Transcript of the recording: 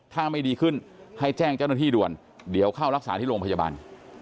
ถ้าไม่ดีขึ้นให้แจ้งเจ้าหน้าที่ด่วนเดี๋ยวเข้ารักษาที่โรงพยาบาล